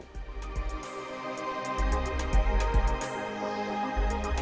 jadi gula darahnya harus dikonsumsi sehari hari